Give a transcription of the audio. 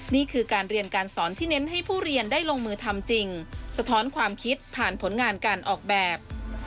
นี่คือการเรียนการสอนที่เน้นให้ผู้เรียนได้ลงมือทำจริงสะท้อนความคิดผ่านผลงานการออกแบบ